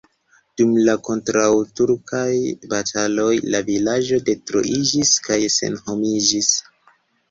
Dum la kontraŭturkaj bataloj la vilaĝo detruiĝis kaj senhomiĝis.